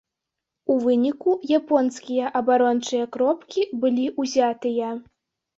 У выніку японскія абарончыя кропкі былі ўзятыя.